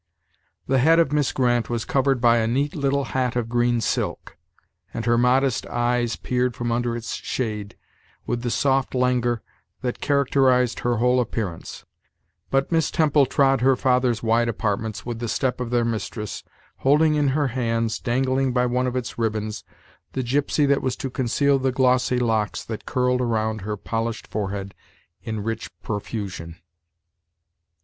The head of Miss Grant was covered by a neat little hat of green silk, and her modest eyes peered from under its shade, with the soft languor that characterized her whole appearance; but Miss Temple trod her father's wide apartments with the step of their mistress, holding in her hands, dangling by one of its ribbons, the gypsy that was to conceal the glossy locks that curled around her polished fore head in rich profusion.